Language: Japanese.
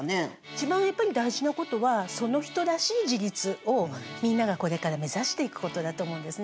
一番やっぱり大事なことはその人らしい自立をみんながこれから目指していくことだと思うんですね。